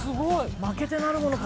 負けてなるものか。